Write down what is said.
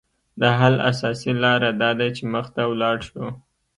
د حل اساسي لاره داده چې مخ ته ولاړ شو